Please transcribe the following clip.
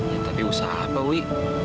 ya tapi usaha apa wi